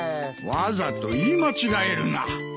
わざと言い間違えるな。